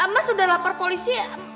mas udah lapar polisi